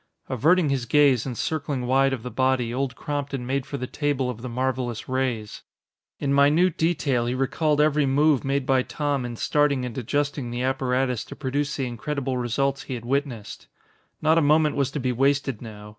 Averting his gaze and circling wide of the body, Old Crompton made for the table of the marvelous rays. In minute detail he recalled every move made by Tom in starting and adjusting the apparatus to produce the incredible results he had witnessed. Not a moment was to be wasted now.